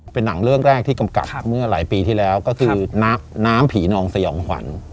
เป็นหนังเรื่องแรกที่กำกับเมื่อหลายปีที่แล้วก็คือน้ำผีนองสยองขวัญ